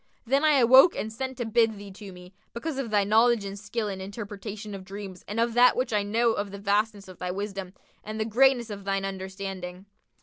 Then I awoke and sent to bid thee to me, because of thy knowledge and skill in the interpretation of dreams and of that which I know of the vastness of thy wisdom and the greatness of thine understanding."